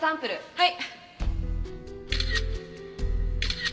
はい！